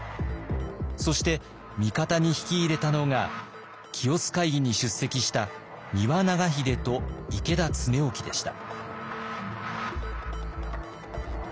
そして味方に引き入れたのが清須会議に出席した丹羽長秀と池田恒興でした。